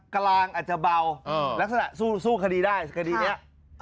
กำลังอาจจะเบาแล้วก็สู้คดีได้คดีนี้